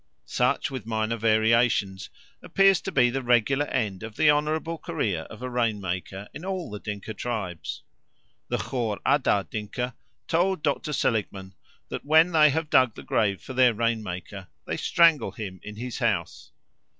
Such, with minor variations, appears to be the regular end of the honourable career of a rain maker in all the Dinka tribes. The Khor Adar Dinka told Dr. Seligman that when they have dug the grave for their rain maker they strangle him in his house.